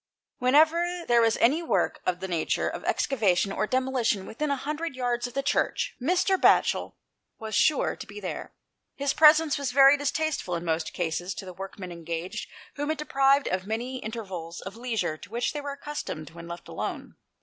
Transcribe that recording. Whenever there was any work of the nature of excavation or demolition within a hundred yards of the Church, Mr. Batchel was sure to be there. His presence was very distasteful in most cases, to the workmen engaged, whom it deprived of many intervals of leisure to which they were accustomed when left alone.